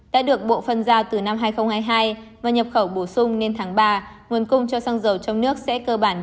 đã được bộ phân giao từ năm hai nghìn hai mươi hai và nhập khẩu bổ sung nên tháng ba nguồn cung cho xăng dầu trong nước sẽ cơ bản được đáp ứng đủ